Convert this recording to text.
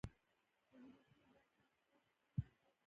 د ژبې کومه برخه خوږ خوند حس کوي؟